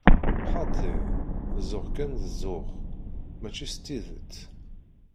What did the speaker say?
Xaṭi, zuxx kan d zzux, mačči s tidet.